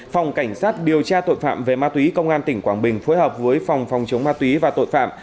phòng cảnh sát điều tra tội phạm về ma túy công an tỉnh quảng bình phối hợp với phòng phòng chống ma túy và tội phạm